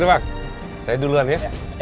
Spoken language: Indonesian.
yuk bang saya duluan ya